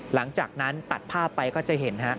หลังจากนั้นตัดภาพไปก็จะเห็นฮะ